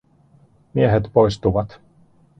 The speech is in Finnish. Miehet poistuvat.